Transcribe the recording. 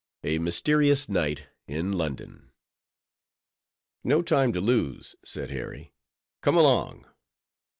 A MYSTERIOUS NIGHT IN LONDON "No time to lose," said Harry, "come along."